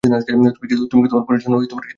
তুমি কি তোমার পরিজনের জন্য কিছু রেখে এসেছো?